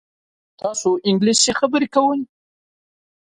تاسو انګلیسي خبرې کوئ؟